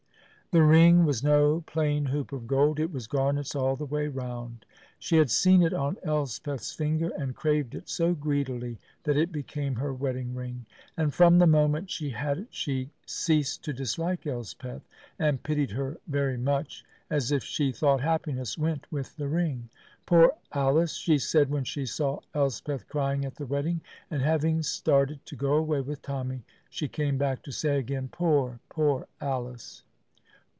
The ring was no plain hoop of gold; it was garnets all the way round. She had seen it on Elspeth's finger, and craved it so greedily that it became her wedding ring. And from the moment she had it she ceased to dislike Elspeth, and pitied her very much, as if she thought happiness went with the ring. "Poor Alice!" she said when she saw Elspeth crying at the wedding, and having started to go away with Tommy, she came back to say again, "Poor, poor Alice!"